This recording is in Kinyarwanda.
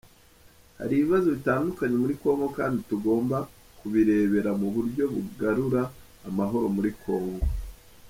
Hari ibibazo bitandukanye muri Congo kandi tugomba kubireba mu buryo bugarura amahohoro muri Congo.